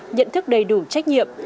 nhận thức đầy đủ trách nhiệm